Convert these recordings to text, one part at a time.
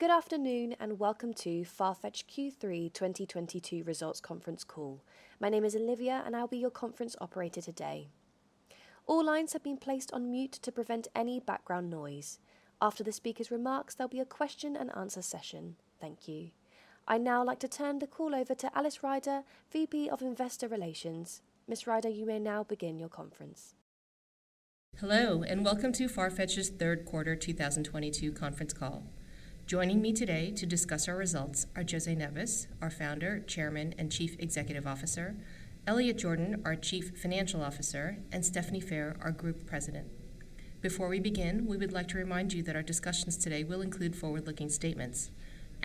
Good afternoon, and welcome to Farfetch Q3 2022 Results Conference Call. My name is Olivia, and I'll be your conference operator today. All lines have been placed on mute to prevent any background noise. After the speaker's remarks, there'll be a question and answer session. Thank you. I'd now like to turn the call over to Alice Ryder, VP of Investor Relations. Ms. Ryder, you may now begin your conference. Hello, and welcome to Farfetch's third quarter 2022 conference call. Joining me today to discuss our results are José Neves, our Founder, Chairman, and Chief Executive Officer, Elliot Jordan, our Chief Financial Officer, and Stephanie Phair, our Group President. Before we begin, we would like to remind you that our discussions today will include forward-looking statements.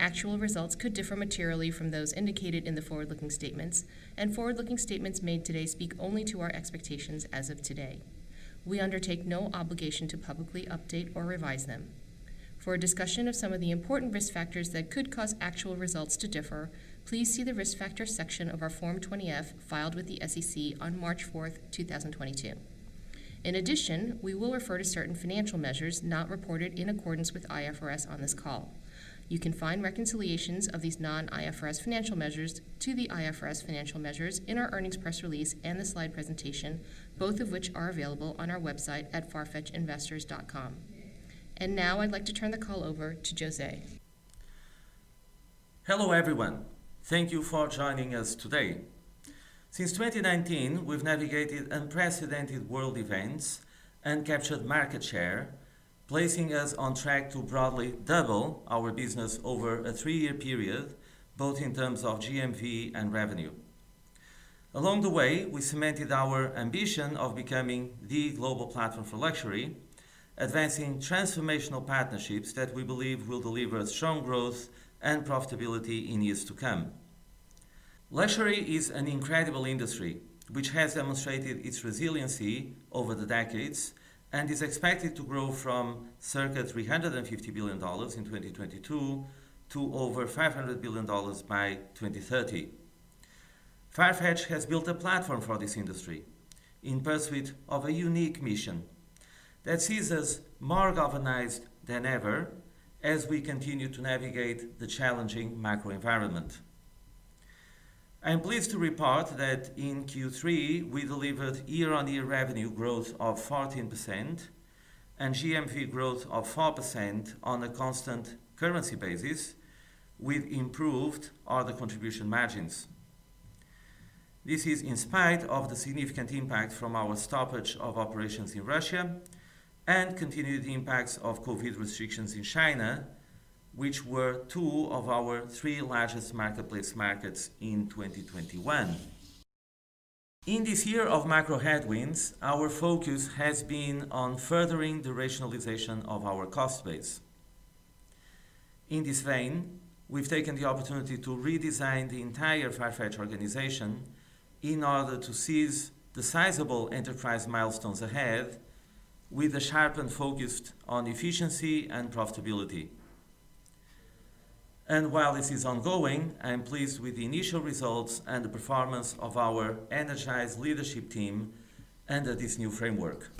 Actual results could differ materially from those indicated in the forward-looking statements, and forward-looking statements made today speak only to our expectations as of today. We undertake no obligation to publicly update or revise them. For a discussion of some of the important risk factors that could cause actual results to differ, please see the Risk Factors section of our Form 20-F filed with the SEC on March 4th, 2022. In addition, we will refer to certain financial measures not reported in accordance with IFRS on this call. You can find reconciliations of these non-IFRS financial measures to the IFRS financial measures in our earnings press release and the slide presentation, both of which are available on our website at farfetchinvestors.com. Now I'd like to turn the call over to José. Hello, everyone. Thank you for joining us today. Since 2019, we've navigated unprecedented world events and captured market share, placing us on track to broadly double our business over a three-year period, both in terms of GMV and revenue. Along the way, we cemented our ambition of becoming the global platform for luxury, advancing transformational partnerships that we believe will deliver strong growth and profitability in years to come. Luxury is an incredible industry, which has demonstrated its resiliency over the decades and is expected to grow from circa $350 billion in 2022 to over $500 billion by 2030. Farfetch has built a platform for this industry in pursuit of a unique mission that sees us more galvanized than ever as we continue to navigate the challenging macro environment. I am pleased to report that in Q3, we delivered year-on-year revenue growth of 14% and GMV growth of 4% on a constant currency basis with improved order contribution margins. This is in spite of the significant impact from our stoppage of operations in Russia and continued impacts of COVID restrictions in China, which were two of our three largest marketplace markets in 2021. In this year of macro headwinds, our focus has been on furthering the rationalization of our cost base. In this vein, we've taken the opportunity to redesign the entire Farfetch organization in order to seize the sizable enterprise milestones ahead with a sharpened focus on efficiency and profitability. While this is ongoing, I am pleased with the initial results and the performance of our energized leadership team under this new framework.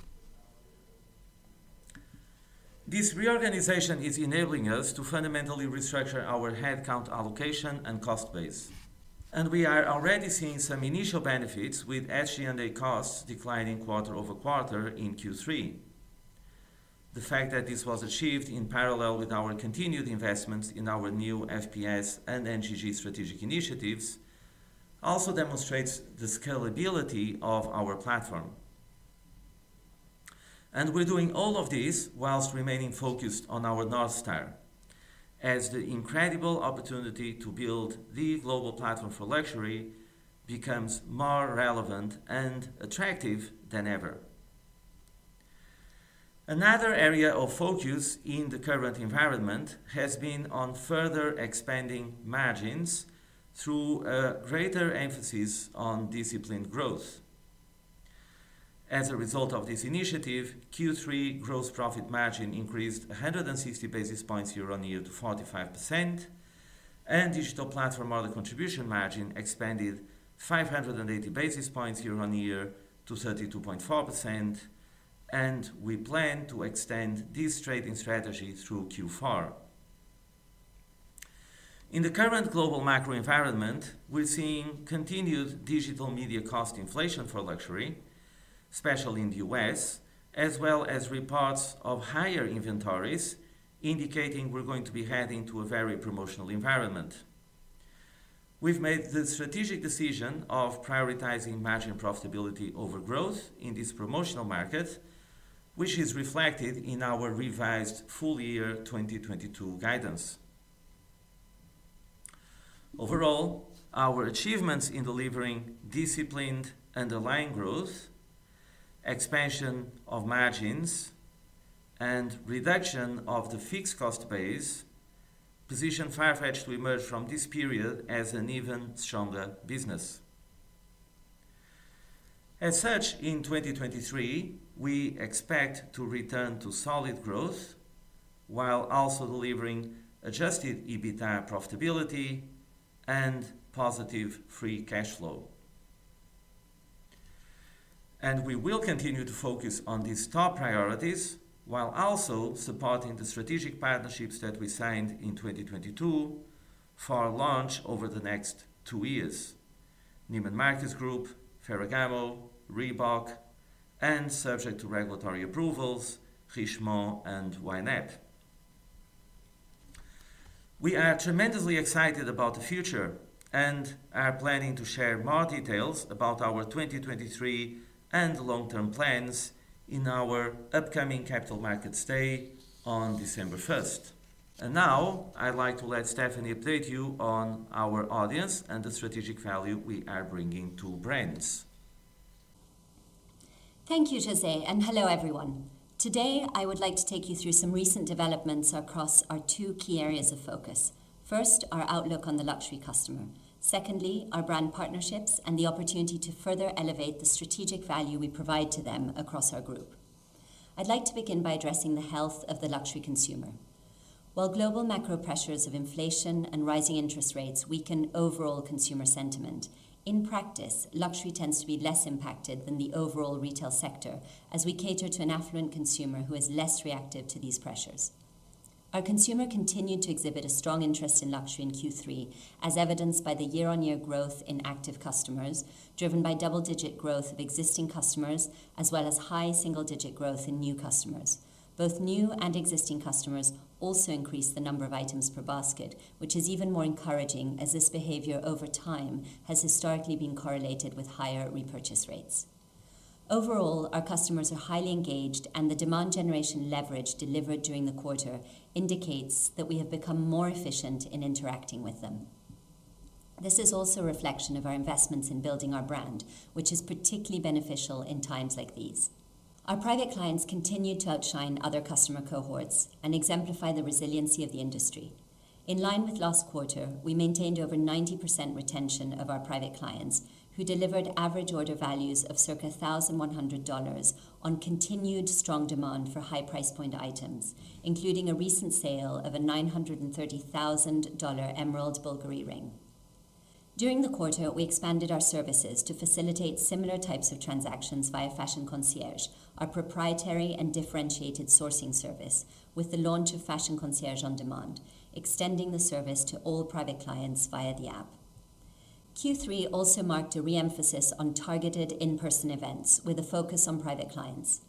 This reorganization is enabling us to fundamentally restructure our headcount allocation and cost base, and we are already seeing some initial benefits with SG&A costs declining quarter-over-quarter in Q3. The fact that this was achieved in parallel with our continued investments in our new FPS and NGG strategic initiatives also demonstrates the scalability of our platform. We're doing all of this whilst remaining focused on our North Star as the incredible opportunity to build the global platform for luxury becomes more relevant and attractive than ever. Another area of focus in the current environment has been on further expanding margins through a greater emphasis on disciplined growth. As a result of this initiative, Q3 gross profit margin increased 160 basis points year-over-year to 45%. Digital platform order contribution margin expanded 580 basis points year-over-year to 32.4%. We plan to extend this trading strategy through Q4. In the current global macro environment, we're seeing continued digital media cost inflation for luxury, especially in the U.S., as well as reports of higher inventories indicating we're going to be heading to a very promotional environment. We've made the strategic decision of prioritizing margin profitability over growth in this promotional market, which is reflected in our revised full year 2022 guidance. Overall, our achievements in delivering disciplined underlying growth, expansion of margins, and reduction of the fixed cost base position Farfetch to emerge from this period as an even stronger business. As such, in 2023, we expect to return to solid growth while also delivering adjusted EBITDA profitability and positive free cash flow. We will continue to focus on these top priorities while also supporting the strategic partnerships that we signed in 2022 for launch over the next two years, Neiman Marcus Group, Ferragamo, Reebok, and subject to regulatory approvals, Richemont and YNAP. We are tremendously excited about the future and are planning to share more details about our 2023 and long-term plans in our upcoming Capital Markets Day on December first. Now I'd like to let Stephanie update you on our audience and the strategic value we are bringing to brands. Thank you, José, and hello, everyone. Today, I would like to take you through some recent developments across our two key areas of focus. First, our outlook on the luxury customer. Secondly, our brand partnerships and the opportunity to further elevate the strategic value we provide to them across our group. I'd like to begin by addressing the health of the luxury consumer. While global macro pressures of inflation and rising interest rates weaken overall consumer sentiment, in practice, luxury tends to be less impacted than the overall retail sector as we cater to an affluent consumer who is less reactive to these pressures. Our consumer continued to exhibit a strong interest in luxury in Q3, as evidenced by the year-on-year growth in active customers, driven by double-digit growth of existing customers, as well as high single-digit growth in new customers. Both new and existing customers also increased the number of items per basket, which is even more encouraging as this behavior over time has historically been correlated with higher repurchase rates. Overall, our customers are highly engaged, and the demand generation leverage delivered during the quarter indicates that we have become more efficient in interacting with them. This is also a reflection of our investments in building our brand, which is particularly beneficial in times like these. Our private clients continue to outshine other customer cohorts and exemplify the resiliency of the industry. In line with last quarter, we maintained over 90% retention of our private clients, who delivered average order values of circa thousand one hundred dollars on continued strong demand for high price point items, including a recent sale of a $950,000 emerald Bulgari ring. During the quarter, we expanded our services to facilitate similar types of transactions via Fashion Concierge, our proprietary and differentiated sourcing service, with the launch of Fashion Concierge On Demand, extending the service to all private clients via the app. Q3 also marked a re-emphasis on targeted in-person events with a focus on private clients.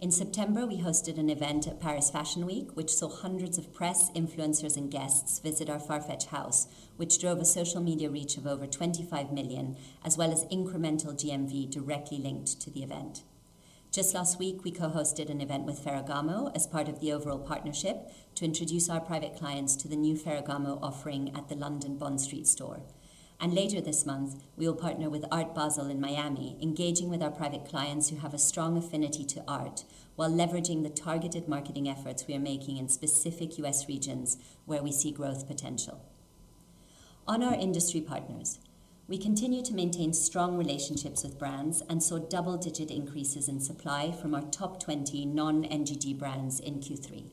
In September, we hosted an event at Paris Fashion Week, which saw hundreds of press, influencers, and guests visit our Farfetch House, which drove a social media reach of over 25 million, as well as incremental GMV directly linked to the event. Just last week, we co-hosted an event with Ferragamo as part of the overall partnership to introduce our private clients to the new Ferragamo offering at the London Bond Street store. Later this month, we will partner with Art Basel in Miami, engaging with our private clients who have a strong affinity to art while leveraging the targeted marketing efforts we are making in specific U.S. regions where we see growth potential. On our industry partners, we continue to maintain strong relationships with brands and saw double-digit increases in supply from our top 20 non-NGG brands in Q3.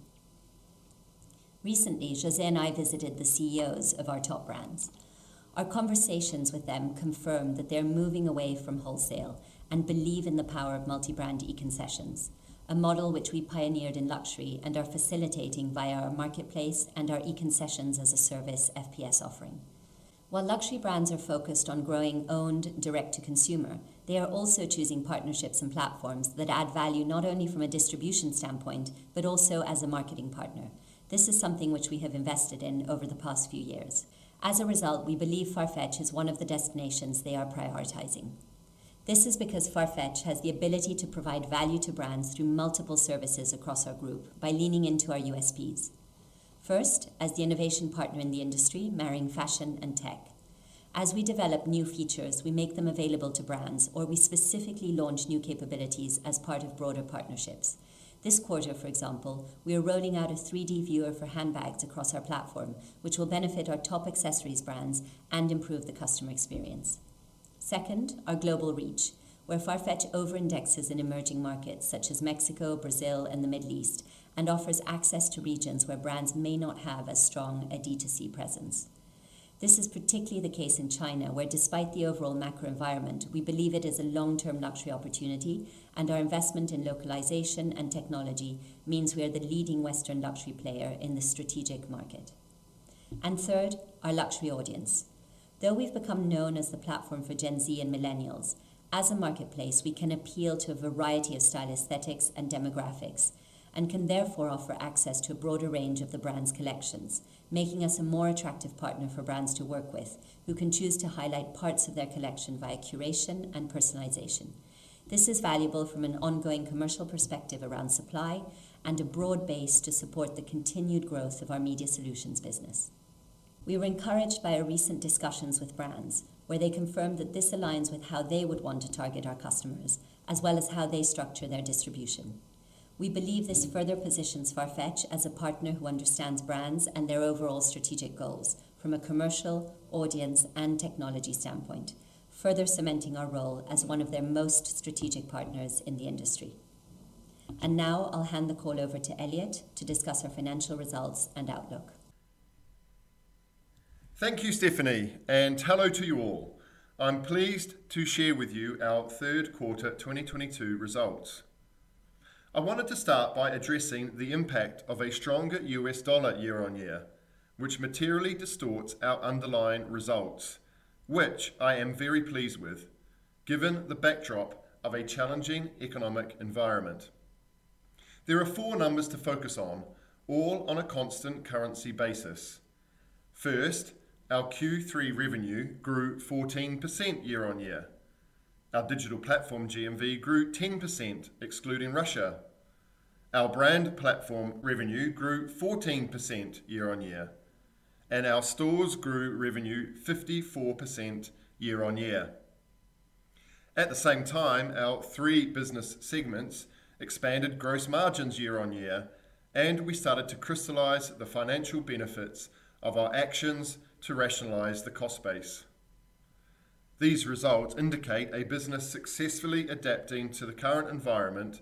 Recently, José and I visited the CEOs of our top brands. Our conversations with them confirmed that they're moving away from wholesale and believe in the power of multi-brand e-concessions, a model which we pioneered in luxury and are facilitating via our marketplace and our e-concessions as a service FPS offering. While luxury brands are focused on growing owned direct-to-consumer, they are also choosing partnerships and platforms that add value not only from a distribution standpoint, but also as a marketing partner. This is something which we have invested in over the past few years. As a result, we believe Farfetch is one of the destinations they are prioritizing. This is because Farfetch has the ability to provide value to brands through multiple services across our group by leaning into our USPs. First, as the innovation partner in the industry, marrying fashion and tech. As we develop new features, we make them available to brands, or we specifically launch new capabilities as part of broader partnerships. This quarter, for example, we are rolling out a 3D viewer for handbags across our platform, which will benefit our top accessories brands and improve the customer experience. Second, our global reach, where Farfetch overindexes in emerging markets such as Mexico, Brazil, and the Middle East, and offers access to regions where brands may not have as strong a D2C presence. This is particularly the case in China, where, despite the overall macro environment, we believe it is a long-term luxury opportunity, and our investment in localization and technology means we are the leading Western luxury player in this strategic market. Third, our luxury audience. Though we've become known as the platform for Gen Z and millennials, as a marketplace, we can appeal to a variety of style aesthetics and demographics and can therefore offer access to a broader range of the brand's collections, making us a more attractive partner for brands to work with who can choose to highlight parts of their collection via curation and personalization. This is valuable from an ongoing commercial perspective around supply and a broad base to support the continued growth of our Media Solutions business. We were encouraged by our recent discussions with brands, where they confirmed that this aligns with how they would want to target our customers, as well as how they structure their distribution. We believe this further positions Farfetch as a partner who understands brands and their overall strategic goals from a commercial, audience, and technology standpoint, further cementing our role as one of their most strategic partners in the industry. Now I'll hand the call over to Elliot to discuss our financial results and outlook. Thank you, Stephanie, and hello to you all. I'm pleased to share with you our third quarter 2022 results. I wanted to start by addressing the impact of a stronger U.S. dollar year-on-year, which materially distorts our underlying results, which I am very pleased with, given the backdrop of a challenging economic environment. There are four numbers to focus on, all on a constant currency basis. First, our Q3 revenue grew 14% year-on-year. Our digital platform GMV grew 10% excluding Russia. Our brand platform revenue grew 14% year-on-year, and our stores grew revenue 54% year-on-year. At the same time, our three business segments expanded gross margins year-on-year, and we started to crystallize the financial benefits of our actions to rationalize the cost base. These results indicate a business successfully adapting to the current environment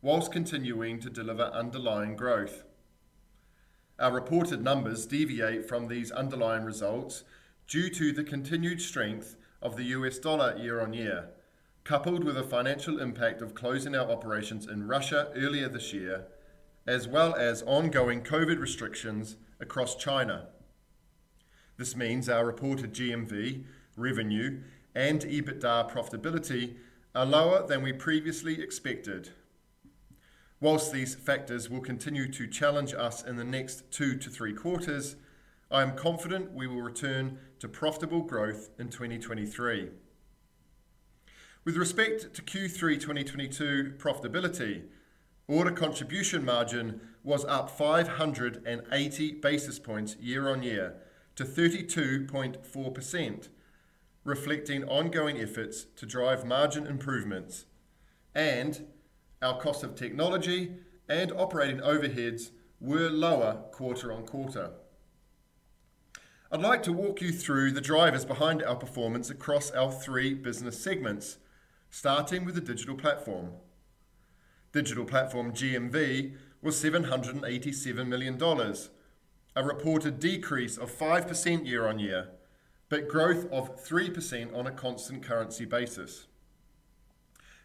whilst continuing to deliver underlying growth. Our reported numbers deviate from these underlying results due to the continued strength of the U.S. dollar year-over-year, coupled with the financial impact of closing our operations in Russia earlier this year, as well as ongoing COVID restrictions across China. This means our reported GMV revenue and EBITDA profitability are lower than we previously expected. Whilst these factors will continue to challenge us in the next two to three quarters, I am confident we will return to profitable growth in 2023. With respect to Q3 2022 profitability, order contribution margin was up 580 basis points year-over-year to 32.4%, reflecting ongoing efforts to drive margin improvements and our cost of technology and operating overheads were lower quarter-over-quarter. I'd like to walk you through the drivers behind our performance across our three business segments, starting with the digital platform. Digital platform GMV was $787 million, a reported decrease of 5% year-on-year, but growth of 3% on a constant currency basis.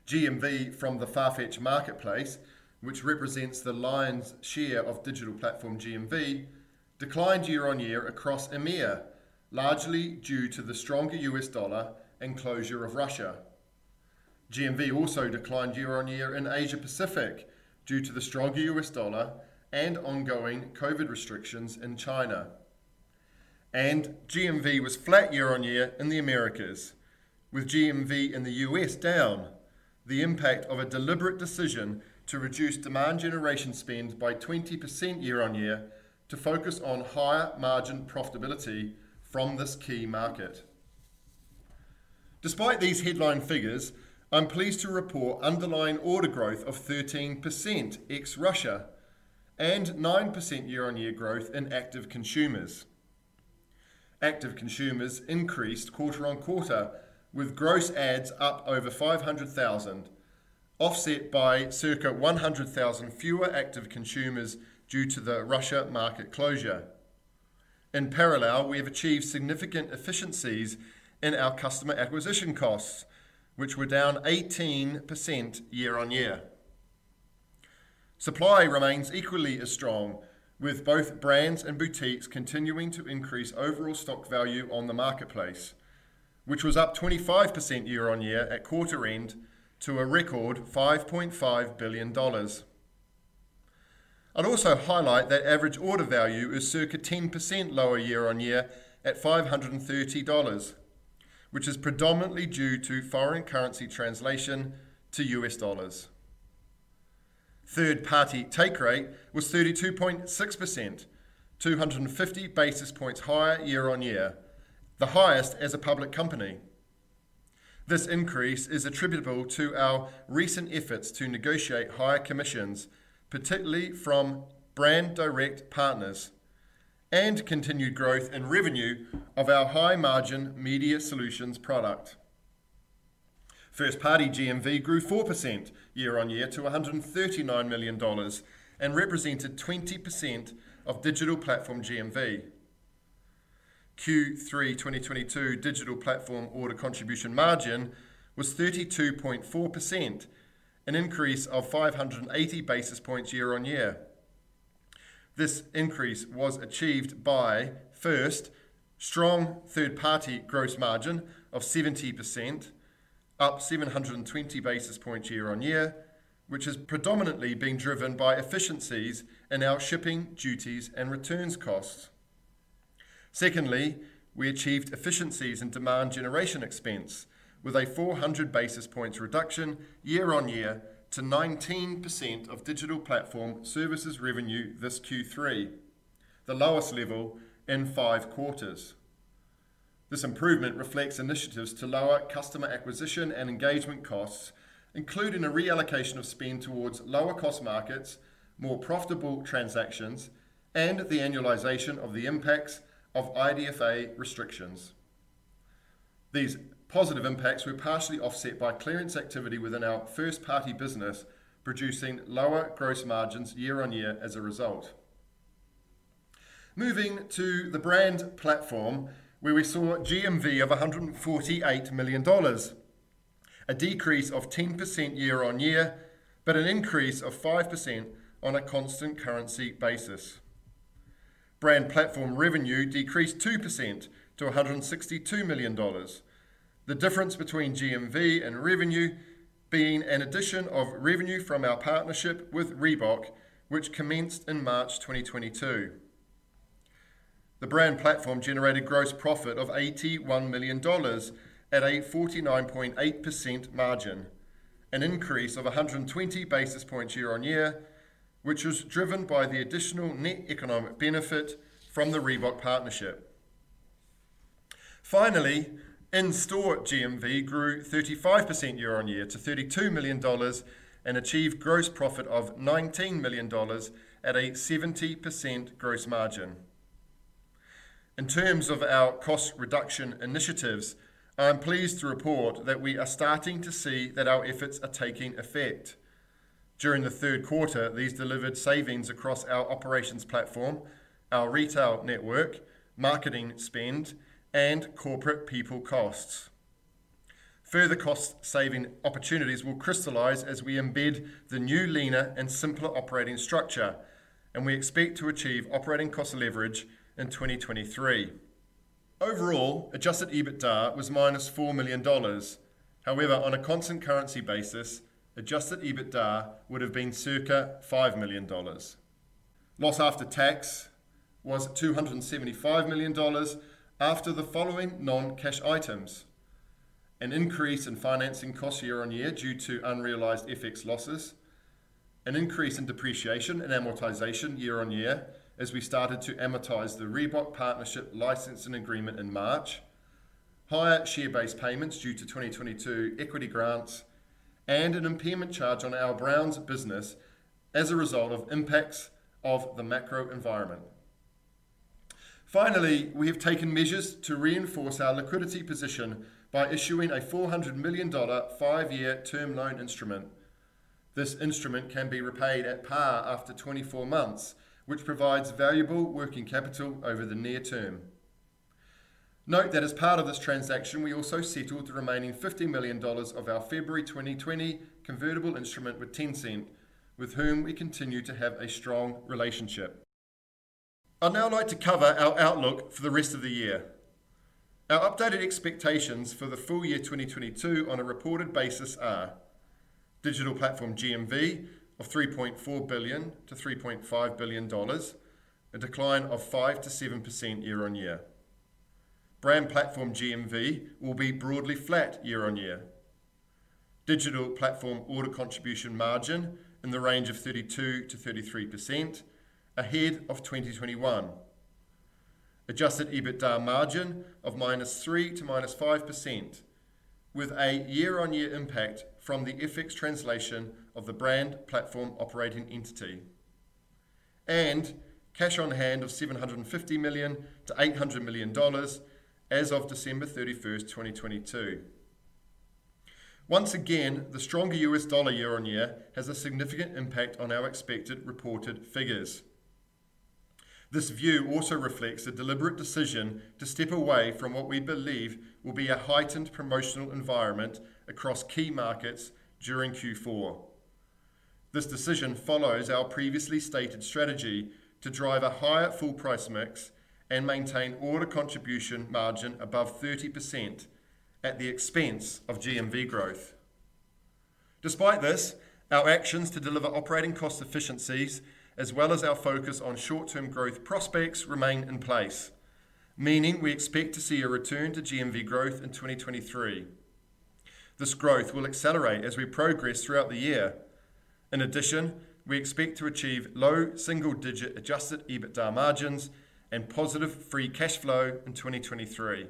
GMV from the Farfetch marketplace, which represents the lion's share of digital platform GMV, declined year-on-year across EMEA, largely due to the stronger U.S. dollar and closure of Russia. GMV also declined year-on-year in Asia-Pacific due to the stronger U.S. dollar and ongoing COVID restrictions in China. GMV was flat year-on-year in the Americas, with GMV in the U.S. down the impact of a deliberate decision to reduce demand generation spend by 20% year-on-year to focus on higher-margin profitability from this key market. Despite these headline figures, I'm pleased to report underlying order growth of 13% ex Russia and 9% year-over-year growth in active consumers. Active consumers increased quarter-over-quarter, with gross adds up over 500,000, offset by circa 100,000 fewer active consumers due to the Russia market closure. In parallel, we have achieved significant efficiencies in our customer acquisition costs, which were down 18% year-over-year. Supply remains equally as strong, with both brands and boutiques continuing to increase overall stock value on the marketplace, which was up 25% year-over-year at quarter end to a record $5.5 billion. I'll also highlight that average order value is circa 10% lower year-over-year at $530, which is predominantly due to foreign currency translation to U.S. dollars. Third-party take rate was 32.6%, 250 basis points higher year-on-year, the highest as a public company. This increase is attributable to our recent efforts to negotiate higher commissions, particularly from brand-direct partners and continued growth in revenue of our high-margin Media Solutions product. First-party GMV grew 4% year-on-year to $139 million and represented 20% of Digital Platform GMV. Q3 2022 Digital Platform Order Contribution Margin was 32.4%, an increase of 580 basis points year-on-year. This increase was achieved by, first, strong third-party gross margin of 70%, up 720 basis points year-on-year, which has predominantly been driven by efficiencies in our shipping, duties and returns costs. Secondly, we achieved efficiencies in demand generation expense with a 400 basis points reduction year-on-year to 19% of digital platform services revenue this Q3, the lowest level in five quarters. This improvement reflects initiatives to lower customer acquisition and engagement costs, including a reallocation of spend towards lower-cost markets, more profitable transactions, and the annualization of the impacts of IDFA restrictions. These positive impacts were partially offset by clearance activity within our first-party business, producing lower gross margins year-on-year as a result. Moving to the brand platform, where we saw GMV of $148 million, a decrease of 10% year-on-year, but an increase of 5% on a constant currency basis. Brand platform revenue decreased 2% to a $162 million. The difference between GMV and revenue being an addition of revenue from our partnership with Reebok, which commenced in March 2022. The brand platform generated gross profit of $81 million at a 49.8% margin, an increase of 120 basis points year-on-year, which was driven by the additional net economic benefit from the Reebok partnership. Finally, in-store GMV grew 35% year-on-year to $32 million and achieved gross profit of $19 million at a 70% gross margin. In terms of our cost reduction initiatives, I am pleased to report that we are starting to see that our efforts are taking effect. During the third quarter, these delivered savings across our operations platform, our retail network, marketing spend, and corporate people costs. Further cost-saving opportunities will crystallize as we embed the new leaner and simpler operating structure, and we expect to achieve operating cost leverage in 2023. Overall, Adjusted EBITDA was -$4 million. However, on a constant currency basis, Adjusted EBITDA would have been circa $5 million. Loss after tax was $275 million after the following non-cash items. An increase in financing costs year-on-year due to unrealized FX losses, an increase in depreciation and amortization year-on-year as we started to amortize the Reebok partnership licensing agreement in March, higher share-based payments due to 2022 equity grants, and an impairment charge on our Brands business as a result of impacts of the macro environment. Finally, we have taken measures to reinforce our liquidity position by issuing a $400 million-dollar five-year term loan instrument. This instrument can be repaid at par after 24 months, which provides valuable working capital over the near term. Note that as part of this transaction, we also settled the remaining $50 million of our February 2020 convertible instrument with Tencent, with whom we continue to have a strong relationship. I'd now like to cover our outlook for the rest of the year. Our updated expectations for the full year 2022 on a reported basis are digital platform GMV of $3.4 billion-$3.5 billion, a decline of 5%-7% year-on-year. Brand platform GMV will be broadly flat year-on-year. Digital platform order contribution margin in the range of 32%-33% ahead of 2021. Adjusted EBITDA margin of -3% to -5% with a year-on-year impact from the F.X. translation of the brand platform operating entity, and cash on hand of $750 million-$800 million as of December 31st, 2022. Once again, the stronger U.S. dollar year-on-year has a significant impact on our expected reported figures. This view also reflects a deliberate decision to step away from what we believe will be a heightened promotional environment across key markets during Q4. This decision follows our previously stated strategy to drive a higher full-price mix and maintain order contribution margin above 30% at the expense of GMV growth. Despite this, our actions to deliver operating cost efficiencies as well as our focus on short-term growth prospects remain in place, meaning we expect to see a return to GMV growth in 2023. This growth will accelerate as we progress throughout the year. In addition, we expect to achieve low single digit adjusted EBITDA margins and positive free cash flow in 2023.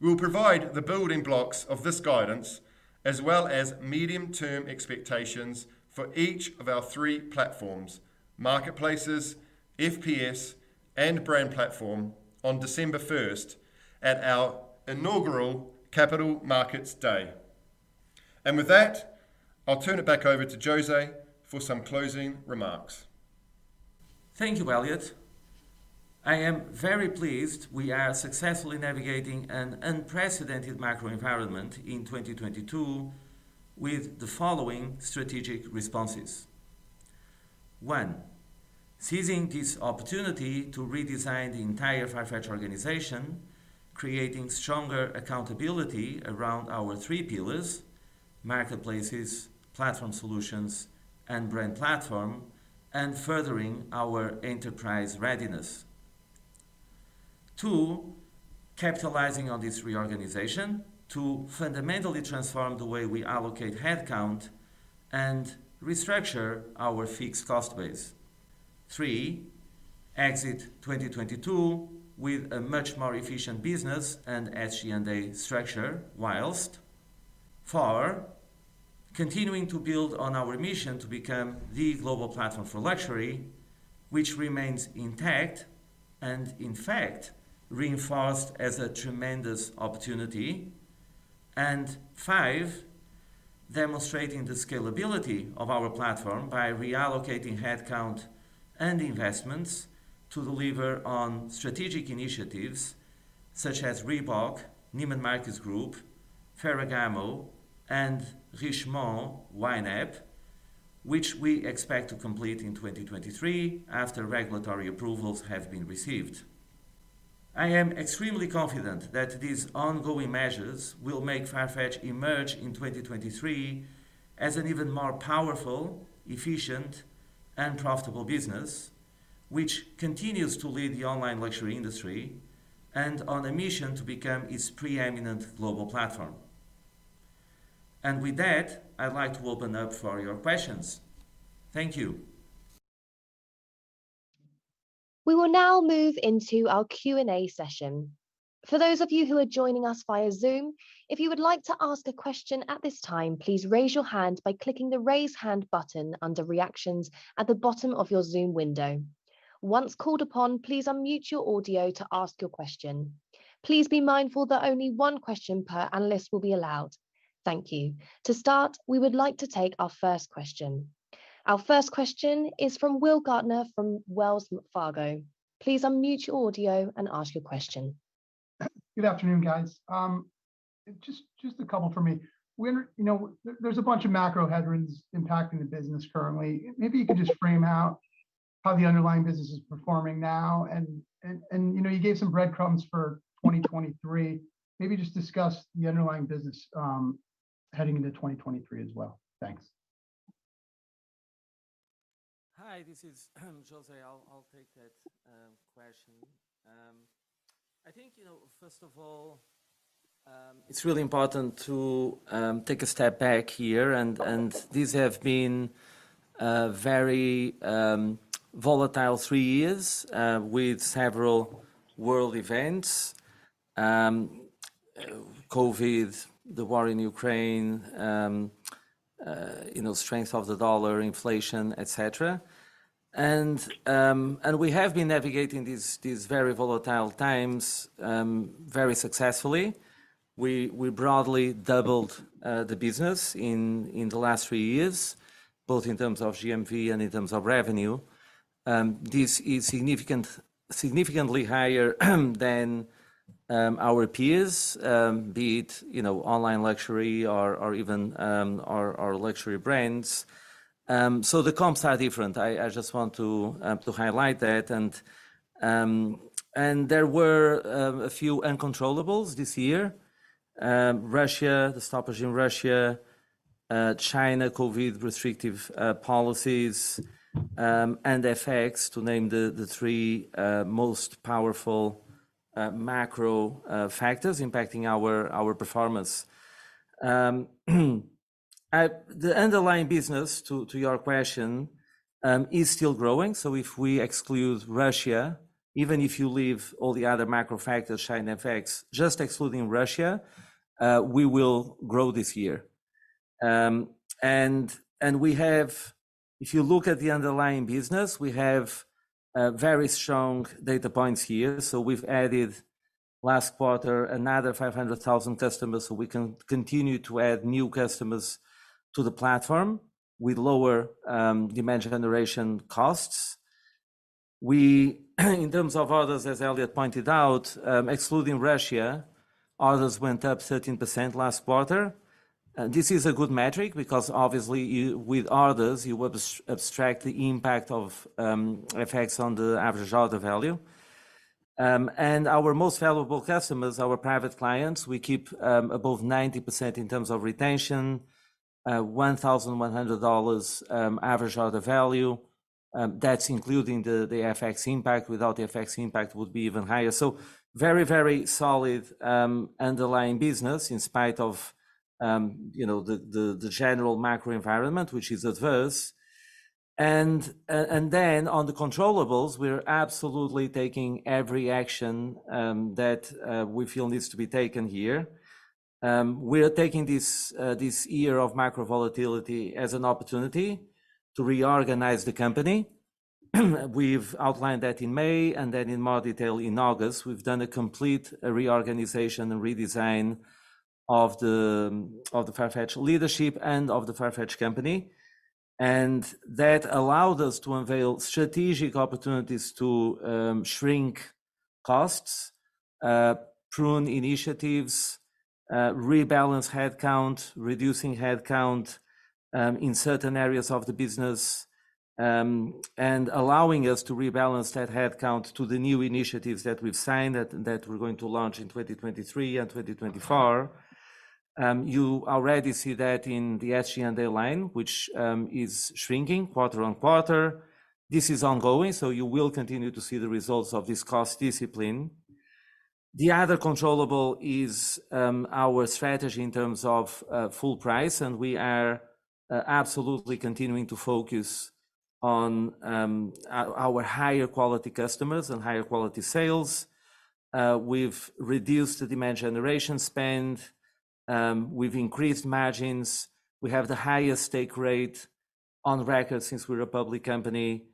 We will provide the building blocks of this guidance as well as medium-term expectations for each of our three platforms, marketplaces, FPS, and brand platform on December first at our inaugural Capital Markets Day. With that, I'll turn it back over to José for some closing remarks. Thank you, Elliot. I am very pleased we are successfully navigating an unprecedented macro environment in 2022 with the following strategic responses. One, seizing this opportunity to redesign the entire Farfetch organization, creating stronger accountability around our three pillars, marketplaces, platform solutions, and brand platform, and furthering our enterprise readiness. Two, capitalizing on this reorganization to fundamentally transform the way we allocate headcount and restructure our fixed cost base. Three, exit 2022 with a much more efficient business and SG&A structure, whilst. Four, continuing to build on our mission to become the global platform for luxury, which remains intact and in fact reinforced as a tremendous opportunity. Five, demonstrating the scalability of our platform by reallocating headcount and investments to deliver on strategic initiatives such as Reebok, Neiman Marcus Group, Ferragamo, and Richemont YNAP, which we expect to complete in 2023 after regulatory approvals have been received. I am extremely confident that these ongoing measures will make Farfetch emerge in 2023 as an even more powerful, efficient, and profitable business, which continues to lead the online luxury industry and on a mission to become its preeminent global platform. With that, I'd like to open up for your questions. Thank you. We will now move into our Q and A session. For those of you who are joining us via Zoom, if you would like to ask a question at this time, please raise your hand by clicking the Raise Hand button under Reactions at the bottom of your Zoom window. Once called upon, please unmute your audio to ask your question. Please be mindful that only one question per analyst will be allowed. Thank you. To start, we would like to take our first question. Our first question is from Will Gardner from Wells Fargo. Please unmute your audio and ask your question. Good afternoon, guys. Just a couple from me. You know, there's a bunch of macro headwinds impacting the business currently. Maybe you could just frame out how the underlying business is performing now and, you know, you gave some breadcrumbs for 2023. Maybe just discuss the underlying business heading into 2023 as well. Thanks. Hi, this is José. I'll take that question. I think, you know, first of all, it's really important to take a step back here. These have been very volatile three years with several world events, COVID, the war in Ukraine, you know, strength of the dollar, inflation, et cetera. We have been navigating these very volatile times very successfully. We broadly doubled the business in the last three years, both in terms of GMV and in terms of revenue. This is significantly higher than our peers, be it, you know, online luxury or even our luxury brands. The comps are different. I just want to highlight that. There were a few uncontrollables this year. Russia, the stoppage in Russia, China, COVID restrictive policies, and FX to name the three most powerful macro factors impacting our performance. The underlying business, to your question, is still growing. If we exclude Russia, even if you leave all the other macro factors, China, FX just excluding Russia, we will grow this year. If you look at the underlying business, we have very strong data points here. We've added last quarter another 500,000 customers, so we can continue to add new customers to the platform with lower demand generation costs. In terms of orders, as Elliot pointed out, excluding Russia, orders went up 13% last quarter. This is a good metric because obviously with orders, you would abstract the impact of FX on the average order value. Our most valuable customers, our private clients, we keep above 90% in terms of retention, $1,100 average order value. That's including the FX impact. Without the FX impact, it would be even higher. Very, very solid underlying business in spite of, you know, the general macro environment, which is adverse. On the controllables, we're absolutely taking every action that we feel needs to be taken here. We are taking this year of macro volatility as an opportunity to reorganize the company. We've outlined that in May and then in more detail in August. We've done a complete reorganization and redesign of the Farfetch leadership and of the Farfetch company. That allowed us to unveil strategic opportunities to shrink costs, prune initiatives, rebalance headcount, reducing headcount in certain areas of the business, and allowing us to rebalance that headcount to the new initiatives that we've signed that we're going to launch in 2023 and 2024. You already see that in the SG&A line, which is shrinking quarter-on-quarter. This is ongoing, so you will continue to see the results of this cost discipline. The other controllable is our strategy in terms of full price, and we are absolutely continuing to focus on our higher quality customers and higher quality sales. We've reduced the demand generation spend, we've increased margins. We have the highest take rate on record since we're a public company.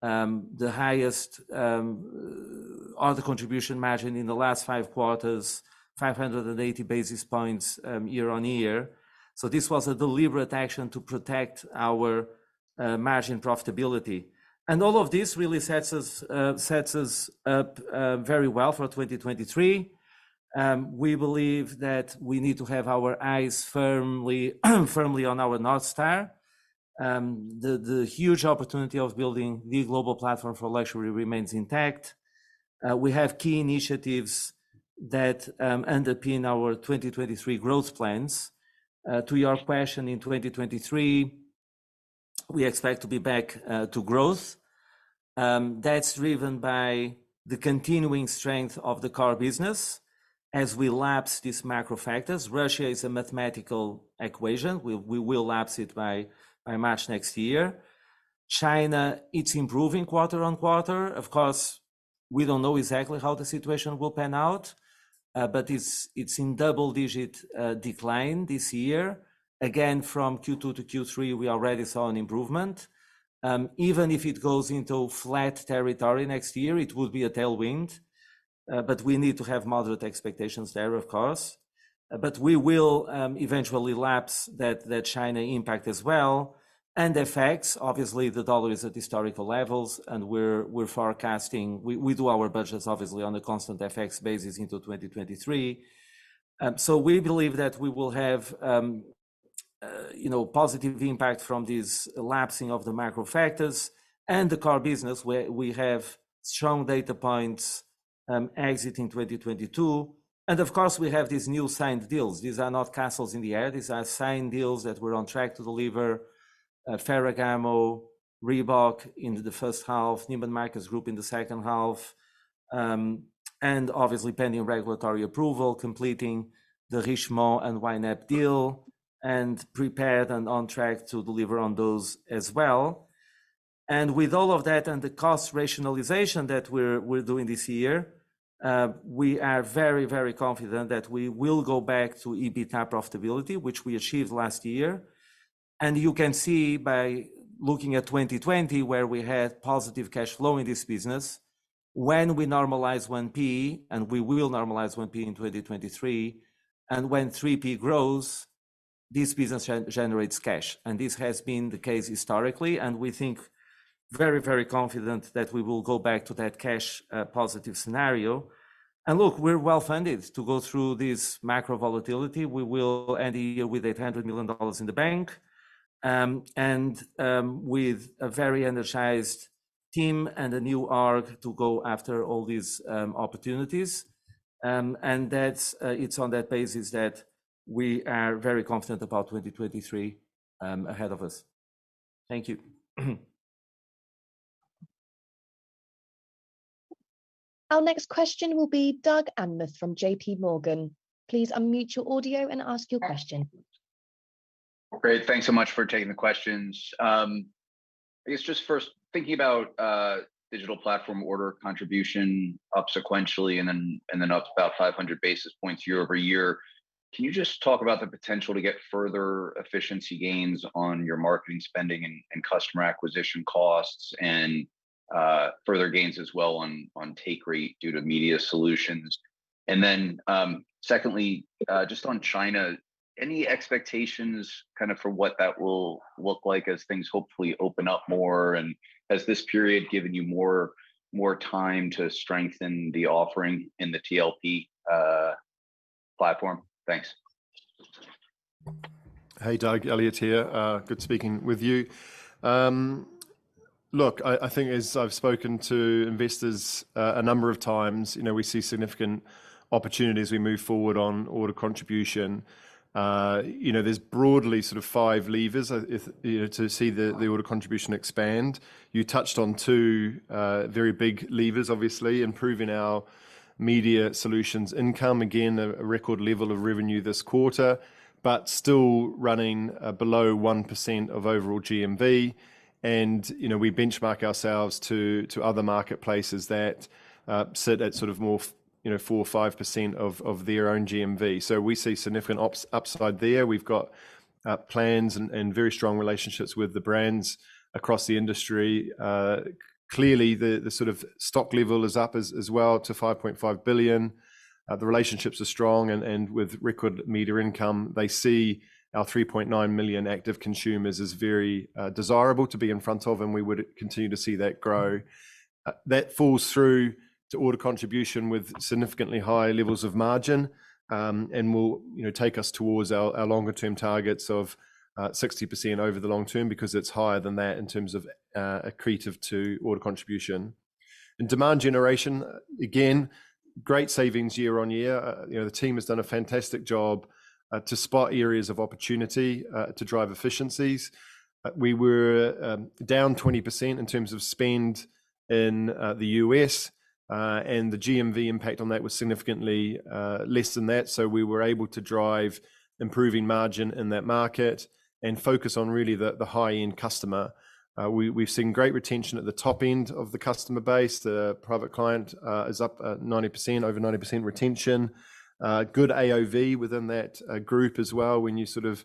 The highest order contribution margin in the last five quarters, 580 basis points year-on-year. This was a deliberate action to protect our margin profitability. All of this really sets us up very well for 2023. We believe that we need to have our eyes firmly on our North Star. The huge opportunity of building the global platform for luxury remains intact. We have key initiatives that underpin our 2023 growth plans. To your question, in 2023, we expect to be back to growth. That's driven by the continuing strength of the core business as we lapse these macro factors. Russia is a mathematical equation. We will lapse it by March next year. China, it's improving quarter-on-quarter. Of course, we don't know exactly how the situation will pan out, but it's in double-digit decline this year. Again, from Q2 to Q3, we already saw an improvement. Even if it goes into flat territory next year, it will be a tailwind, but we need to have moderate expectations there, of course. We will eventually lapse that China impact as well. FX, obviously the dollar is at historical levels and we're forecasting. We do our budgets obviously on a constant FX basis into 2023. We believe that we will have, you know, positive impact from this lapsing of the macro factors and the core business where we have strong data points exiting 2022. Of course, we have these new signed deals. These are not castles in the air. These are signed deals that we're on track to deliver Ferragamo, Reebok into the first half, Neiman Marcus Group in the second half. Obviously pending regulatory approval, completing the Richemont and YNAP deal, and prepared and on track to deliver on those as well. With all of that and the cost rationalization that we're doing this year, we are very confident that we will go back to EBITDA profitability, which we achieved last year. You can see by looking at 2020 where we had positive cash flow in this business, when we normalize 1P, and we will normalize 1P in 2023, and when 3P grows, this business generates cash. And this has been the case historically, and we think very, very confident that we will go back to that cash positive scenario. And look, we’re well funded. To go through this macro volatility, we will end a year with $800 million in the bank, and with a very energized team and a new org to go after all these opportunities. And that it’s on that basis that we are very confident about 2023 ahead of us. Thank you. Our next question will be Douglas Anmuth from J.P. Morgan. Please unmute your audio and ask your question. Great. Thanks so much for taking the questions. I guess just first thinking about digital platform order contribution up sequentially and then up about 500 basis points year-over-year, can you just talk about the potential to get further efficiency gains on your marketing spending and customer acquisition costs and further gains as well on take rate due to Media Solutions? Secondly, just on China, any expectations kind of for what that will look like as things hopefully open up more, and has this period given you more time to strengthen the offering in the TLP platform? Thanks. Hey, Doug. Elliot here. Uh, good speaking with you. Um, look, I think as I've spoken to investors a number of times, you know, we see significant opportunities we move forward on order contribution. Uh, you know, there's broadly sort of five levers, uh, if... you know, to see the order contribution expand. You touched on two, uh, very big levers, obviously, improving our Media Solutions income. Again, a record level of revenue this quarter, but still running, uh, below one percent of overall GMV. And, you know, we benchmark ourselves to other marketplaces that, uh, sit at sort of more f- you know, four or five percent of their own GMV. So we see significant ups-upside there. We've got, uh, plans and very strong relationships with the brands across the industry. Clearly the sort of stock level is up as well to $5.5 billion. The relationships are strong and with record media income, they see our 3.9 million active consumers as very desirable to be in front of, and we would continue to see that grow. That falls through to order contribution with significantly higher levels of margin and will, you know, take us towards our longer-term targets of 60% over the long term because it's higher than that in terms of accretive to order contribution. In demand generation, again, great savings year-on-year. You know, the team has done a fantastic job to spot areas of opportunity to drive efficiencies. We were down 20% in terms of spend in the U.S. Uh, and the GMV impact on that was significantly, uh, less than that. So we were able to drive improving margin in that market and focus on really the high-end customer. Uh, we've seen great retention at the top end of the customer base. The private client, uh, is up at 90%, over 90% retention. Uh, good AOV within that, uh, group as well. When you sort of,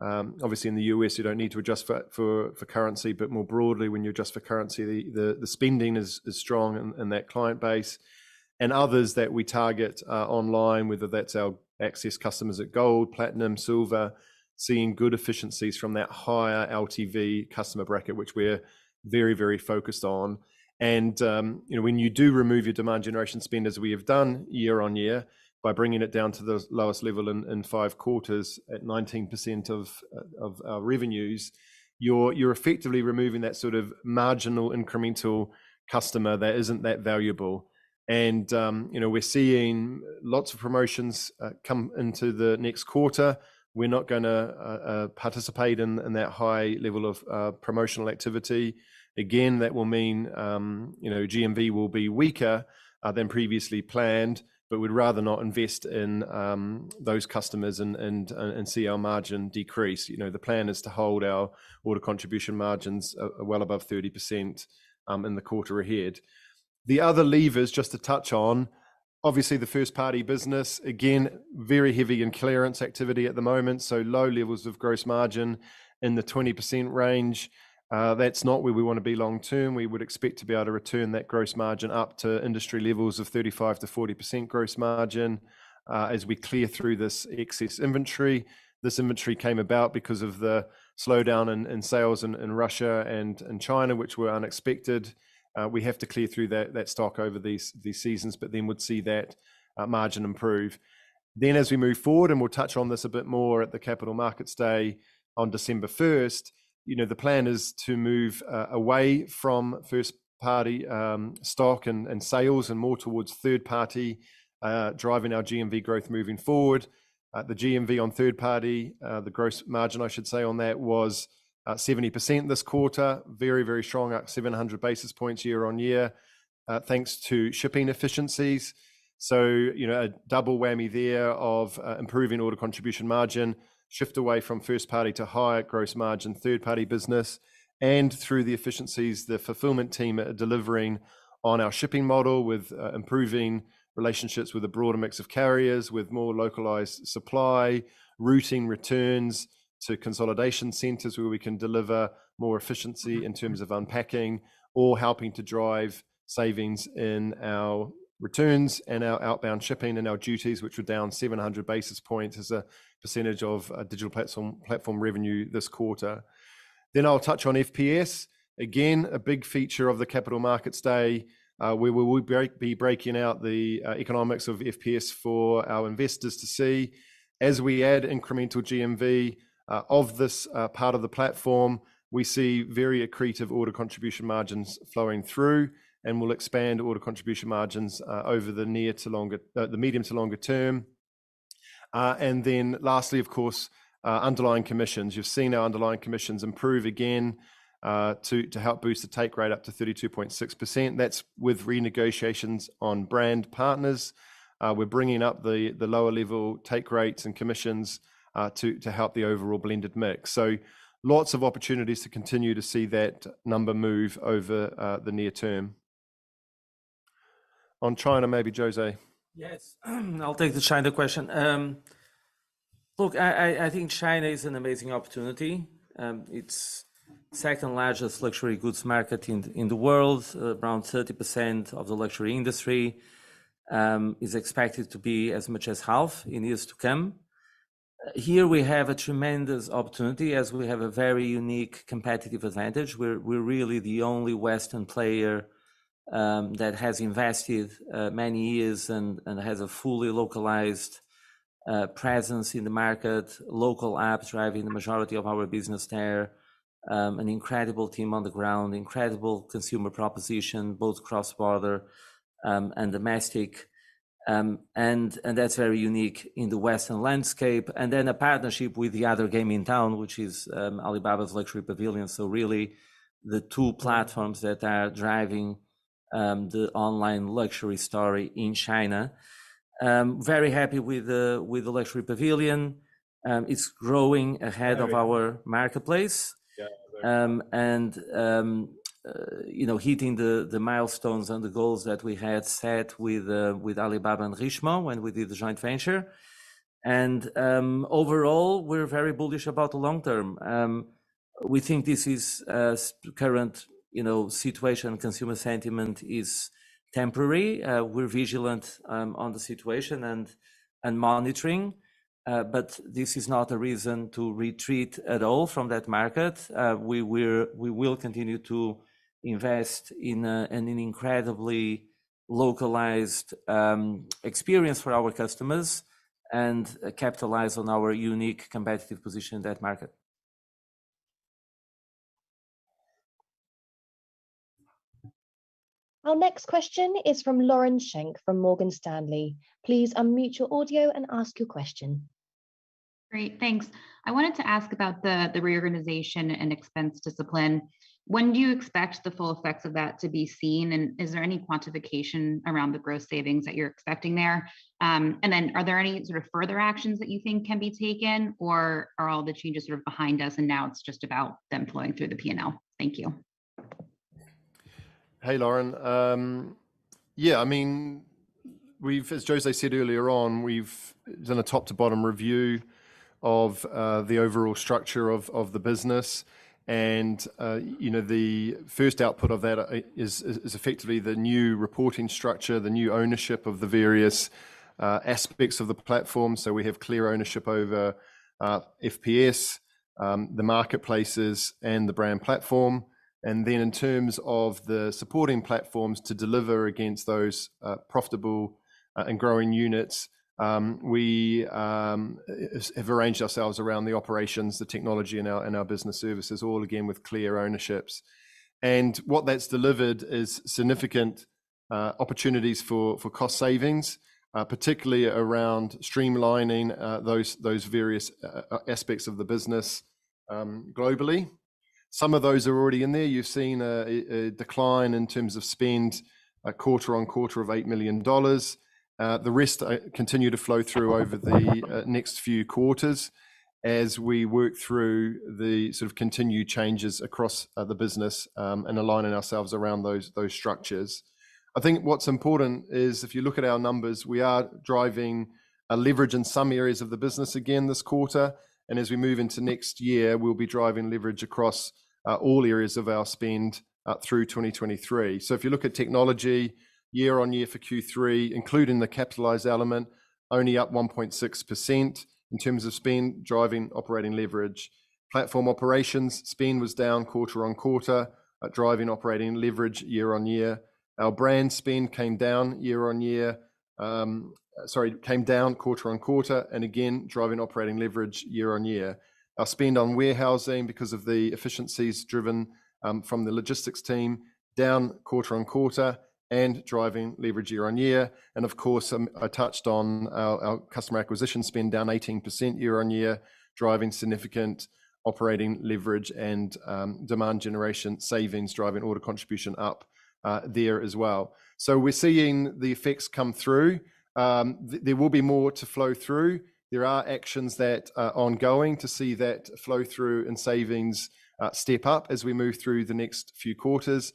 um... Obviously, in the U.S., you don't need to adjust for, for currency, but more broadly, when you adjust for currency, the, the spending is strong in that client base. And others that we target, uh, online, whether that's our access customers at Gold, Platinum, Silver, seeing good efficiencies from that higher LTV customer bracket, which we're very, very focused on. You know, when you do remove your demand generation spend, as we have done year-over-year, by bringing it down to the lowest level in five quarters at 19% of our revenues, you're effectively removing that sort of marginal incremental customer that isn't that valuable. You know, we're seeing lots of promotions come into the next quarter. We're not gonna participate in that high level of promotional activity. Again, that will mean, you know, GMV will be weaker than previously planned. We'd rather not invest in those customers and see our margin decrease. You know, the plan is to hold our order contribution margins well above 30% in the quarter ahead. The other levers just to touch on, obviously the first-party business, again, very heavy in clearance activity at the moment, so low levels of gross margin in the 20% range. That's not where we wanna be long-term. We would expect to be able to return that gross margin up to industry levels of 35%-40% gross margin as we clear through this excess inventory. This inventory came about because of the slowdown in sales in Russia and in China, which were unexpected. We have to clear through that stock over these seasons, but then would see that margin improve. As we move forward, and we'll touch on this a bit more at the Capital Markets Day on December 1st, you know, the plan is to move away from first-party stock and sales and more towards third party driving our GMV growth moving forward. The GMV on third party, the gross margin I should say on that was 70% this quarter. Very strong. Up 700 basis points year-over-year thanks to shipping efficiencies. You know, a double whammy there of improving order contribution margin, shift away from first-party to higher gross margin third-party business, and through the efficiencies the fulfillment team are delivering on our shipping model with improving relationships with a broader mix of carriers, with more localized supply, routing returns to consolidation centers where we can deliver more efficiency in terms of unpacking or helping to drive savings in our returns and our outbound shipping and our duties, which were down 700 basis points as a percentage of digital platform revenue this quarter. I'll touch on FPS. Again, a big feature of the Capital Markets Day, where we will be breaking out the economics of FPS for our investors to see. As we add incremental GMV of this part of the platform, we see very accretive order contribution margins flowing through, and we'll expand order contribution margins over the medium to longer term. Lastly, of course, underlying commissions. You've seen our underlying commissions improve again to help boost the take rate up to 32.6%. That's with renegotiations on brand partners. We're bringing up the lower level take rates and commissions to help the overall blended mix. Lots of opportunities to continue to see that number move over the near term. On China maybe, José. Yes. I'll take the China question. Look, I think China is an amazing opportunity. It's second-largest luxury goods market in the world. Around 30% of the luxury industry is expected to be as much as half in years to come. Here we have a tremendous opportunity as we have a very unique competitive advantage. We're really the only Western player that has invested many years and has a fully localized presence in the market. Local apps driving the majority of our business there. An incredible team on the ground, incredible consumer proposition, both cross-border and domestic. That's very unique in the Western landscape. A partnership with the other game in town, which is Alibaba's Luxury Pavilion. Really the two platforms that are driving the online luxury story in China. Very happy with the Luxury Pavilion. It's growing ahead of our marketplace. Yeah. You know, hitting the milestones and the goals that we had set with Alibaba and Richemont when we did the joint venture. Overall, we're very bullish about the long term. We think this is current, you know, situation, consumer sentiment is temporary. We're vigilant on the situation and monitoring, but this is not a reason to retreat at all from that market. We will continue to invest in an incredibly localized experience for our customers and capitalize on our unique competitive position in that market. Our next question is from Lauren Schenk from Morgan Stanley. Please unmute your audio and ask your question. Great. Thanks. I wanted to ask about the reorganization and expense discipline. When do you expect the full effects of that to be seen, and is there any quantification around the gross savings that you're expecting there? Are there any sort of further actions that you think can be taken, or are all the changes sort of behind us and now it's just about them flowing through the P&L? Thank you. Hey, Lauren. Yeah, I mean, as José said earlier on, we've done a top-to-bottom review of the overall structure of the business and, you know, the first output of that is effectively the new reporting structure, the new ownership of the various aspects of the platform. We have clear ownership over FPS, the marketplaces and the brand platform. In terms of the supporting platforms to deliver against those profitable and growing units, we have arranged ourselves around the operations, the technology in our business services, all again with clear ownerships. What that's delivered is significant opportunities for cost savings, particularly around streamlining those various aspects of the business globally. Some of those are already in there. You've seen a decline in terms of spend quarter-on-quarter of $8 million. The rest continue to flow through over the next few quarters as we work through the sort of continued changes across the business and aligning ourselves around those structures. I think what's important is if you look at our numbers, we are driving a leverage in some areas of the business again this quarter, and as we move into next year, we'll be driving leverage across all areas of our spend through 2023. If you look at technology year-on-year for Q3, including the capitalized element, only up 1.6% in terms of spend driving operating leverage. Platform operations spend was down quarter-on-quarter, driving operating leverage year-on-year. Our brand spend came down year-on-year. Sorry, came down quarter-on-quarter and again driving operating leverage year-on-year. Our spend on warehousing, because of the efficiencies driven from the logistics team, down quarter-on-quarter and driving leverage year-on-year. Of course, I touched on our customer acquisition spend down 18% year-on-year, driving significant operating leverage and demand generation savings, driving order contribution up there as well. We're seeing the effects come through. There will be more to flow through. There are actions that are ongoing to see that flow through and savings step up as we move through the next few quarters.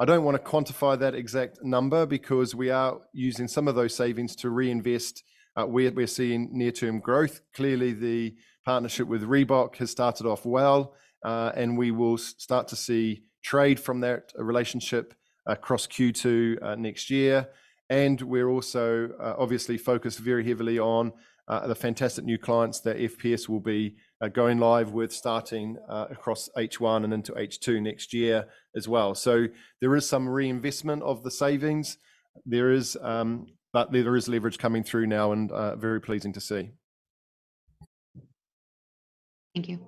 I don't wanna quantify that exact number because we are using some of those savings to reinvest where we're seeing near-term growth. Clearly, the partnership with Reebok has started off well, and we will start to see trade from that relationship across Q2 next year. We're also obviously focused very heavily on the fantastic new clients that FPS will be going live with starting across H1 and into H2 next year as well. There is some reinvestment of the savings. There is, but there is leverage coming through now and very pleasing to see. Thank you.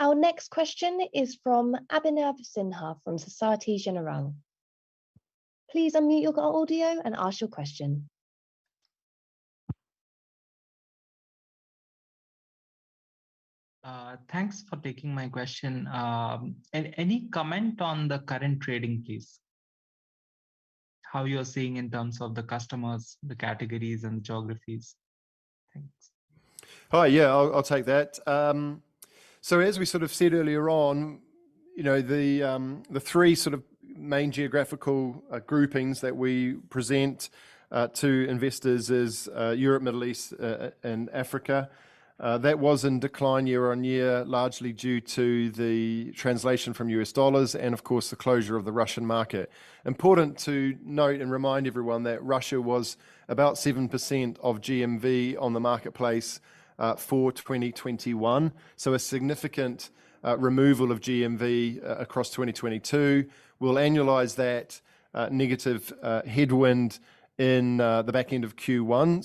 Our next question is from Abhinav Sinha from Société Générale. Please unmute your audio and ask your question. Thanks for taking my question. Any comment on the current trading, please? How you're seeing in terms of the customers, the categories and geographies. Thanks. Hi. Yeah. I'll take that. As we sort of said earlier on, you know, the three sort of main geographical groupings that we present to investors is Europe, Middle East, and Africa. That was in decline year-on-year, largely due to the translation from U.S. dollars and of course the closure of the Russian market. Important to note and remind everyone that Russia was about 7% of GMV on the marketplace for 2021, so a significant removal of GMV across 2022. We'll annualize that negative headwind in the back end of Q1.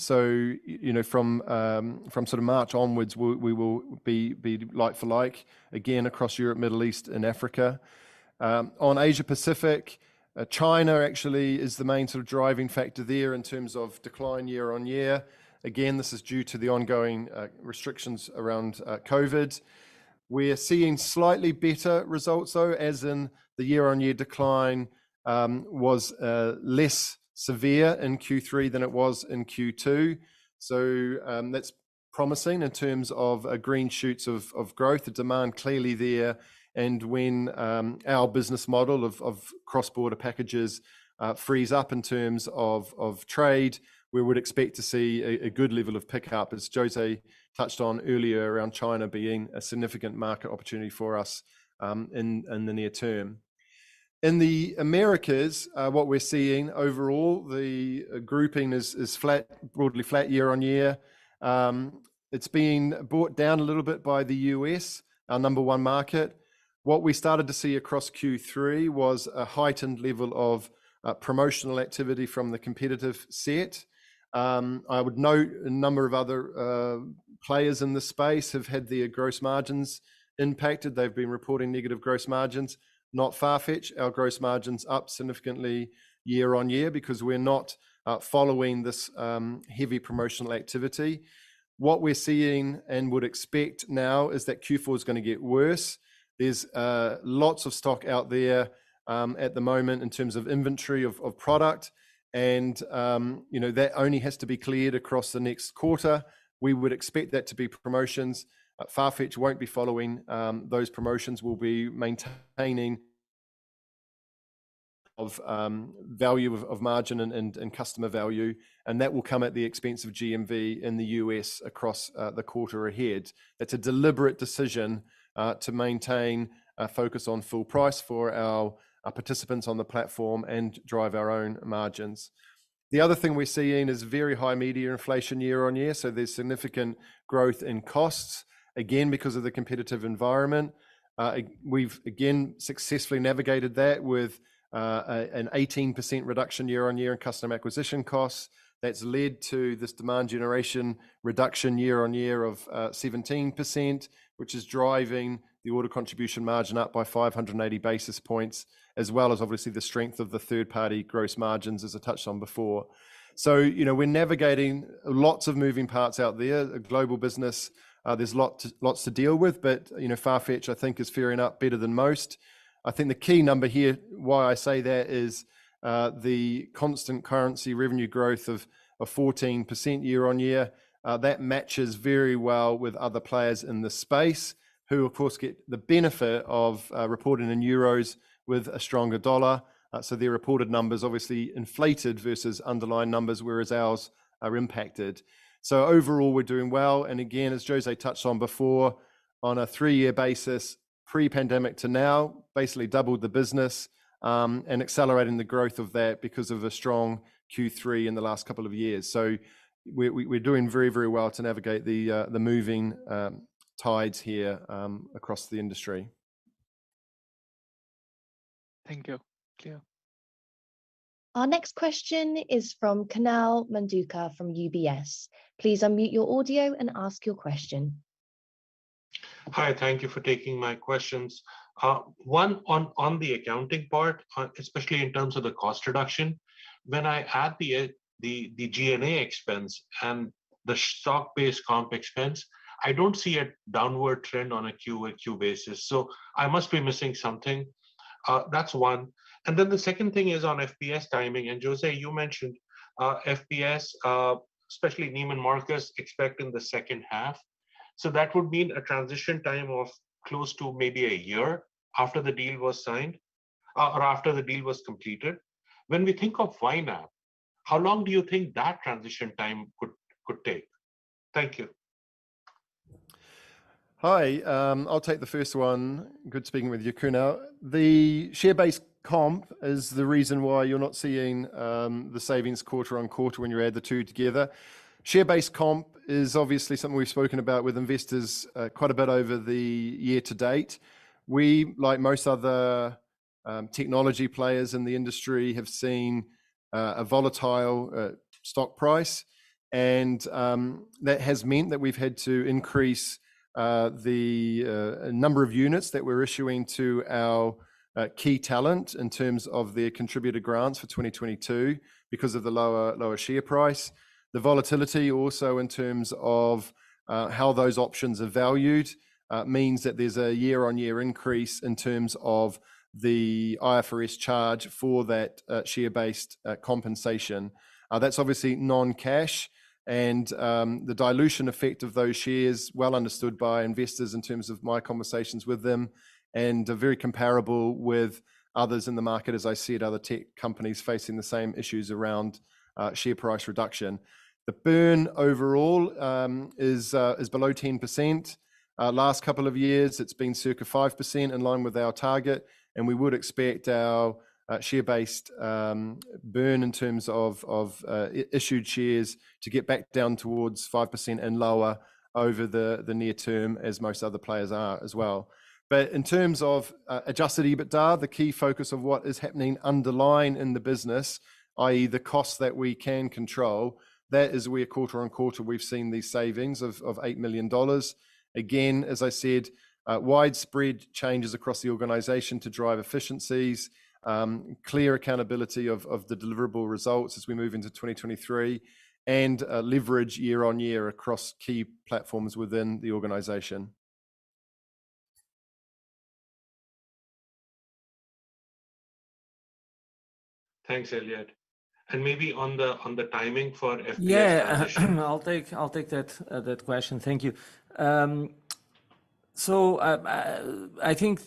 You know, from sort of March onwards, we will be like-for-like again across Europe, Middle East, and Africa. On Asia Pacific, China actually is the main sort of driving factor there in terms of decline year-over-year. Again, this is due to the ongoing restrictions around COVID. We're seeing slightly better results though, as in the year-over-year decline was less severe in Q3 than it was in Q2. That's promising in terms of green shoots of growth. The demand clearly there. When our business model of cross-border packages frees up in terms of trade, we would expect to see a good level of pickup, as José touched on earlier around China being a significant market opportunity for us in the near term. In the Americas, what we're seeing overall, the grouping is flat, broadly flat year-over-year. It's been brought down a little bit by the U.S., our number one market. What we started to see across Q3 was a heightened level of promotional activity from the competitive set. I would note a number of other players in the space have had their gross margins impacted. They've been reporting negative gross margins. Not Farfetch. Our gross margin's up significantly year-on-year because we're not following this heavy promotional activity. What we're seeing and would expect now is that Q4 is gonna get worse. There's lots of stock out there at the moment in terms of inventory of product and, you know, that only has to be cleared across the next quarter. We would expect that to be promotions. At Farfetch won't be following those promotions. We'll be maintaining value of margin and customer value, and that will come at the expense of GMV in the U.S. across the quarter ahead. That's a deliberate decision to maintain a focus on full price for our participants on the platform and drive our own margins. The other thing we're seeing is very high media inflation year-over-year, so there's significant growth in costs, again, because of the competitive environment. We've again successfully navigated that with an 18% reduction year-over-year in customer acquisition costs. That's led to this demand generation reduction year-over-year of 17%, which is driving the order contribution margin up by 580 basis points, as well as obviously the strength of the third-party gross margins, as I touched on before. So, you know, we're navigating lots of moving parts out there. A global business, uh, there's lot to... lots to deal with. But, you know, Farfetch, I think, is fairing up better than most. I think the key number here, why I say that, is, uh, the constant currency revenue growth of 14% year-on-year. Uh, that matches very well with other players in the space who of course get the benefit of, uh, reporting in euros with a stronger dollar. Uh, so their reported number's obviously inflated versus underlying numbers, whereas ours are impacted. So overall, we're doing well. And again, as José touched on before, on a three-year basis, pre-pandemic to now, basically doubled the business, um, and accelerating the growth of that because of a strong Q3 in the last couple of years. We're doing very, very well to navigate the moving tides here across the industry. Thank you. Thank you. Our next question is from Kunal Madhukar from UBS. Please unmute your audio and ask your question. Hi, thank you for taking my questions. One, on the accounting part, especially in terms of the cost reduction, when I add the G&A expense and the stock-based comp expense, I don't see a downward trend on a Q-over-Q basis. I must be missing something. That's one. The second thing is on FPS timing. José, you mentioned FPS, especially Neiman Marcus expect in the second half. That would mean a transition time of close to maybe a year after the deal was signed or after the deal was completed. When we think of YNAP, how long do you think that transition time could take? Thank you. Hi, I'll take the first one. Good speaking with you, Kunal. The share-based comp is the reason why you're not seeing the savings quarter-on-quarter when you add the two together. Share-based comp is obviously something we've spoken about with investors quite a bit over the year-to-date. We, like most other technology players in the industry, have seen a volatile stock price. That has meant that we've had to increase the number of units that we're issuing to our key talent in terms of their contributor grants for 2022 because of the lower share price. The volatility also in terms of how those options are valued means that there's a year-on-year increase in terms of the IFRS charge for that share-based compensation. That's obviously non-cash and the dilution effect of those shares well understood by investors in terms of my conversations with them and are very comparable with others in the market as I see at other tech companies facing the same issues around share price reduction. The burn overall is below 10%. Last couple of years, it's been circa 5% in line with our target, and we would expect our share-based burn in terms of issued shares to get back down towards 5% and lower over the near term, as most other players are as well. In terms of adjusted EBITDA, the key focus of what is happening underlying in the business, i.e. the cost that we can control, that is where quarter-on-quarter we've seen these savings of $8 million. Again, as I said, widespread changes across the organization to drive efficiencies, clear accountability of the deliverable results as we move into 2023, and leverage year-on-year across key platforms within the organization. Thanks, Elliot. Maybe on the timing for FPS transition. Yeah. I'll take that question. Thank you. I think,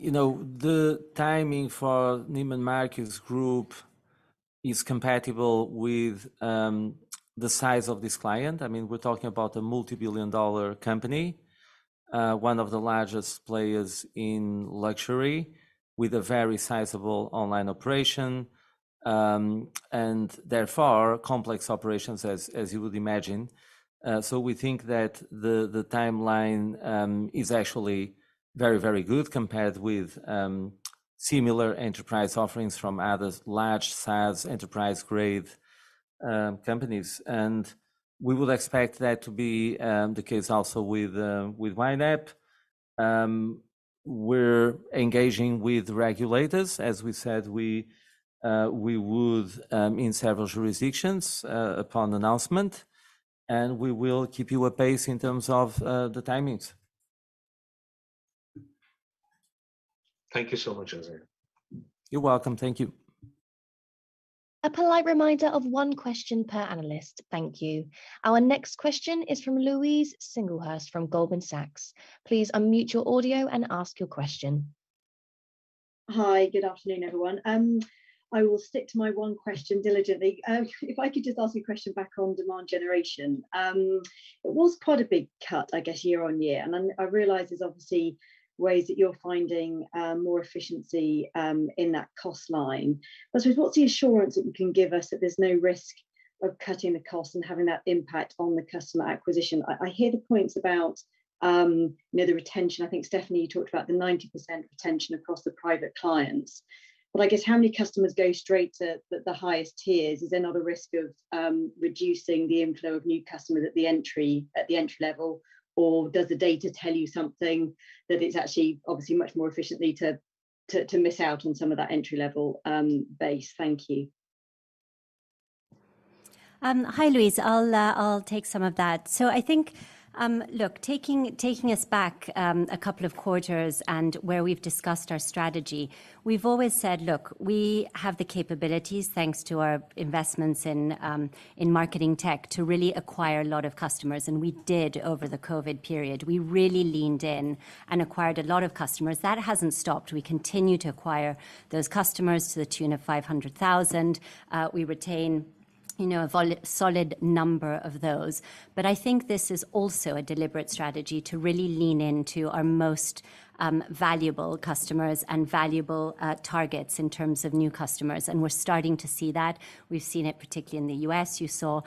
you know, the timing for Neiman Marcus Group is compatible with the size of this client. I mean, we're talking about a multi-billion-dollar company, one of the largest players in luxury with a very sizable online operation. Therefore, complex operations as you would imagine. We think that the timeline is actually very good. Similar enterprise offerings from other large SaaS enterprise-grade companies. We would expect that to be the case also with YNAP. We're engaging with regulators, as we said we would, in several jurisdictions upon announcement, and we will keep you apprised in terms of the timings. Thank you so much, José. You're welcome. Thank you. A polite reminder of one question per analyst. Thank you. Our next question is from Louise Singlehurst from Goldman Sachs. Please unmute your audio and ask your question. Hi. Good afternoon, everyone. I will stick to my one question diligently. If I could just ask you a question back on demand generation. It was quite a big cut, I guess, year-on-year. I realize there's obviously ways that you're finding more efficiency in that cost line. I suppose, what's the assurance that you can give us that there's no risk of cutting the cost and having that impact on the customer acquisition? I hear the points about, you know, the retention. I think, Stephanie, you talked about the 90% retention across the private clients. I guess how many customers go straight to the highest tiers? Is there not a risk of reducing the inflow of new customers at the entry level? Does the data tell you something that it's actually obviously much more efficiently to miss out on some of that entry-level base? Thank you. Hi, Louise. I'll take some of that. I think, look, taking us back a couple of quarters and where we've discussed our strategy, we've always said, "Look, we have the capabilities, thanks to our investments in marketing tech, to really acquire a lot of customers," and we did over the COVID period. We really leaned in and acquired a lot of customers. That hasn't stopped. We continue to acquire those customers to the tune of 500,000. We retain, you know, a solid number of those. I think this is also a deliberate strategy to really lean into our most valuable customers and valuable targets in terms of new customers, and we're starting to see that. We've seen it particularly in the U.S. You saw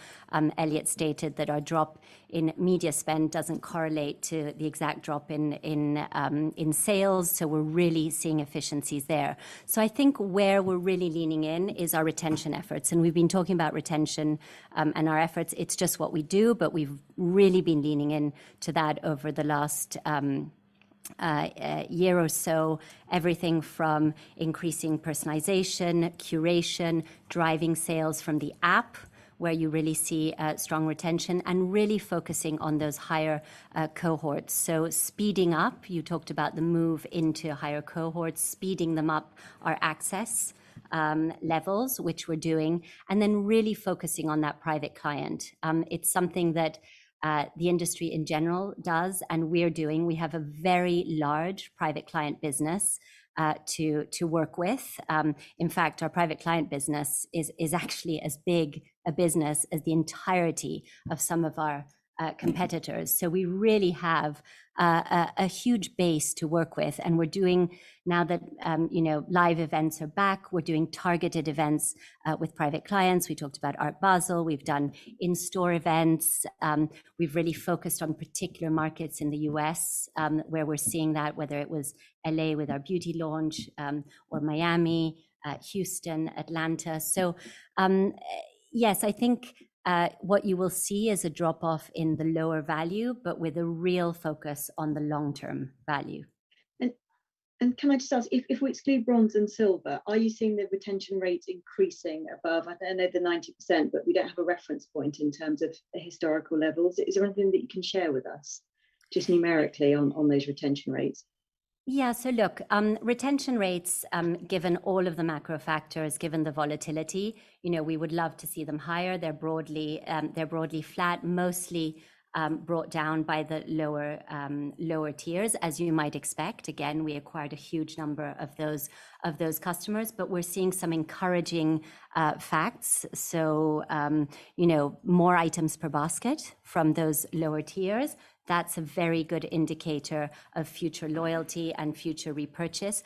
Elliot stated that our drop in media spend doesn't correlate to the exact drop in sales, so we're really seeing efficiencies there. I think where we're really leaning in is our retention efforts, and we've been talking about retention and our efforts. It's just what we do, but we've really been leaning into that over the last year or so. Everything from increasing personalization, curation, driving sales from the app, where you really see strong retention and really focusing on those higher cohorts. You talked about the move into higher cohorts, speeding them up our Access levels, which we're doing, and then really focusing on that Private Client. It's something that the industry in general does, and we're doing. We have a very large Private Client business to work with. In fact, our private client business is actually as big a business as the entirety of some of our competitors. We really have a huge base to work with. Now that, you know, live events are back, we're doing targeted events with private clients. We talked about Art Basel. We've done in-store events. We've really focused on particular markets in the U.S. where we're seeing that, whether it was L.A. with our beauty launch or Miami, Houston, Atlanta. Yes, I think what you will see is a drop-off in the lower value, but with a real focus on the long-term value. Can I just ask, if we exclude bronze and silver, are you seeing the retention rates increasing above? I know they're 90%, but we don't have a reference point in terms of the historical levels. Is there anything that you can share with us, just numerically on those retention rates? Yeah. Look, retention rates, given all of the macro factors, given the volatility, you know, we would love to see them higher. They're broadly flat, mostly brought down by the lower tiers, as you might expect. Again, we acquired a huge number of those customers. We're seeing some encouraging facts. You know, more items per basket from those lower tiers. That's a very good indicator of future loyalty and future repurchase.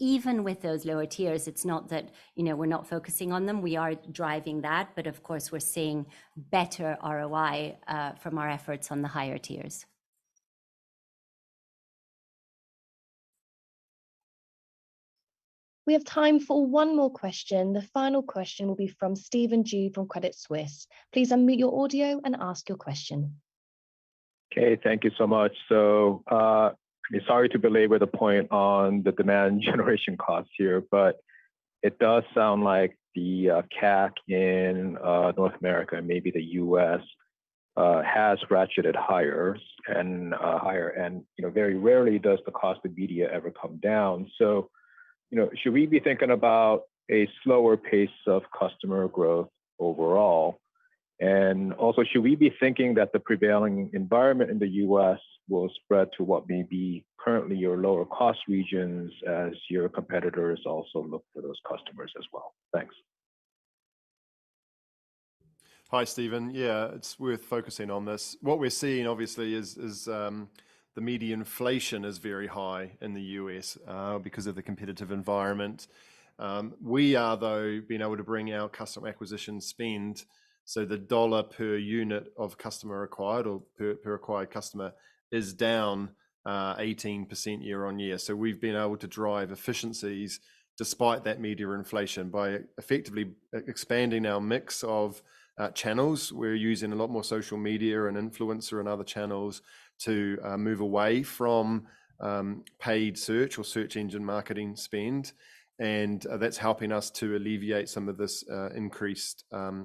Even with those lower tiers, it's not that, you know, we're not focusing on them. We are driving that. Of course, we're seeing better ROI from our efforts on the higher tiers. We have time for one more question. The final question will be from Stephen Ju from Credit Suisse. Please unmute your audio and ask your question. Okay. Thank you so much. Sorry to belabor the point on the demand generation costs here, but it does sound like the CAC in North America and maybe the U.S. has ratcheted higher and higher. You know, very rarely does the cost of media ever come down. You know, should we be thinking about a slower pace of customer growth overall? Also, should we be thinking that the prevailing environment in the U.S. will spread to what may be currently your lower cost regions as your competitors also look for those customers as well? Thanks. Hi, Stephen. Yeah, it's worth focusing on this. What we're seeing obviously is the media inflation is very high in the U.S. because of the competitive environment. We have though been able to bring our customer acquisition spend. The dollar per unit of customer acquired or per acquired customer is down 18% year-on-year. We've been able to drive efficiencies despite that media inflation by effectively expanding our mix of channels. We're using a lot more social media and influencer and other channels to move away from paid search or search engine marketing spend. That's helping us to alleviate some of this increased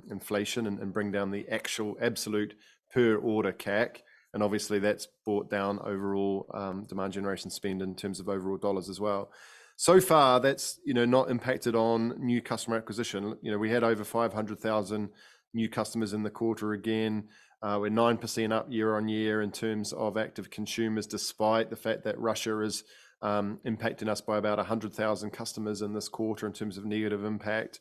inflation and bring down the actual absolute per order CAC. Obviously that's brought down overall demand generation spend in terms of overall dollars as well. So far that's, you know, not impacted on new customer acquisition. You know, we had over 500,000 new customers in the quarter again. We're 9% up year-over-year in terms of active consumers, despite the fact that Russia is impacting us by about 100,000 customers in this quarter in terms of negative impact.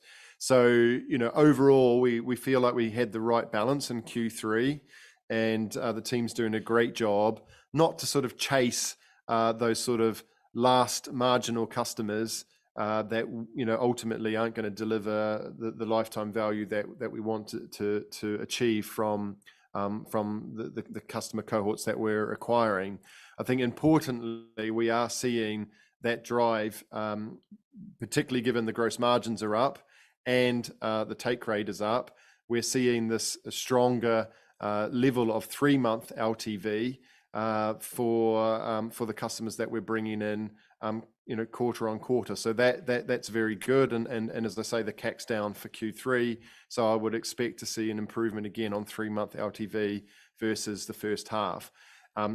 You know, overall, we feel like we had the right balance in Q3, and the team's doing a great job not to sort of chase those sort of last marginal customers that, you know, ultimately aren't gonna deliver the lifetime value that we want to achieve from the customer cohorts that we're acquiring. I think importantly we are seeing that drive, particularly given the gross margins are up and the take rate is up. We're seeing this stronger level of three-month LTV for the customers that we're bringing in, you know, quarter-on-quarter. That's very good. As I say, the CAC's down for Q3, so I would expect to see an improvement again on three-month LTV versus the first half.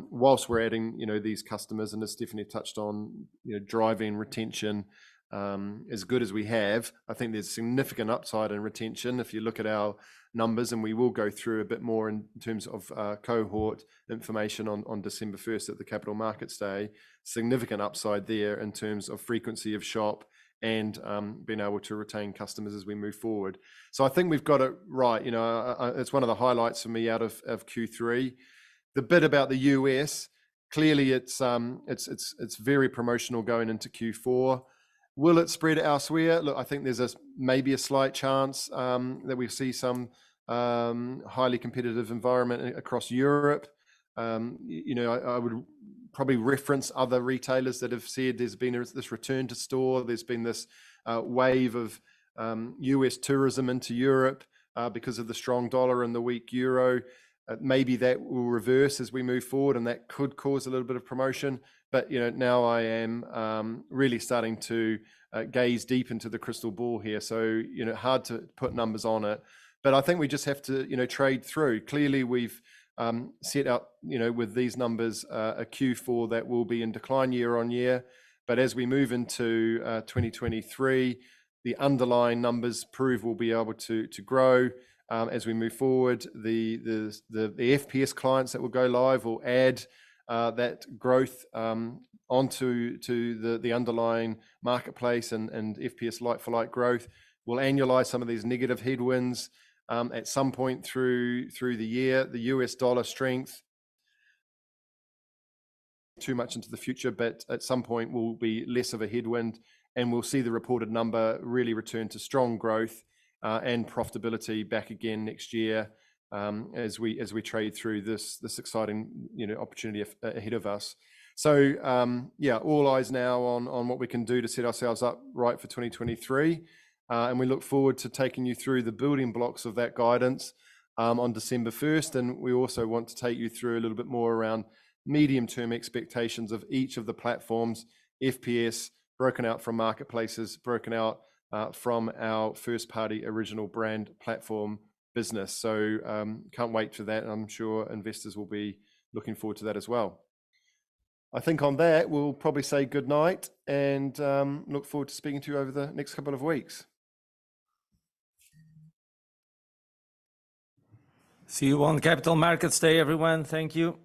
Whilst we're adding, you know, these customers, and as Stephanie touched on, you know, driving retention as good as we have, I think there's significant upside in retention if you look at our numbers, and we will go through a bit more in terms of cohort information on December 1st at the Capital Markets Day. Significant upside there in terms of frequency of shop and being able to retain customers as we move forward. I think we've got it right. You know, it's one of the highlights for me out of Q3. The bit about the U.S., clearly it's very promotional going into Q4. Will it spread elsewhere? Look, I think there's maybe a slight chance that we see some highly competitive environment across Europe. You know, I would probably reference other retailers that have said there's been this return to store. There's been this wave of U.S. tourism into Europe because of the strong dollar and the weak euro. Maybe that will reverse as we move forward, and that could cause a little bit of promotion. You know, now I am really starting to gaze deep into the crystal ball here. You know, hard to put numbers on it. I think we just have to, you know, trade through. Clearly we've set up, you know, with these numbers, a Q4 that will be in decline year-on-year. As we move into 2023, the underlying numbers prove we'll be able to grow. As we move forward, the FPS clients that will go live will add that growth onto the underlying marketplace and FPS like-for-like growth. We'll annualize some of these negative headwinds at some point through the year. The U.S. dollar strength too much into the future, but at some point will be less of a headwind, and we'll see the reported number really return to strong growth and profitability back again next year as we trade through this exciting, you know, opportunity ahead of us. Yeah, all eyes now on what we can do to set ourselves up right for 2023. We look forward to taking you through the building blocks of that guidance on December first. We also want to take you through a little bit more around medium-term expectations of each of the platforms, FPS broken out from marketplaces, broken out from our first-party original brand platform business. Can't wait for that, and I'm sure investors will be looking forward to that as well. I think on that we'll probably say good night and look forward to speaking to you over the next couple of weeks. See you on Capital Markets Day, everyone. Thank you.